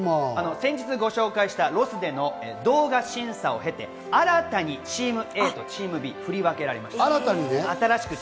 先日ご紹介したロスでの動画審査を経て新たにＴｅａｍＡとＴｅａｍＢ、振り分けられました。